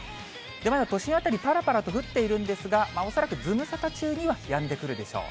まだ都心辺り、ぱらぱらと降っているんですが、恐らくズムサタ中にはやんでくるでしょう。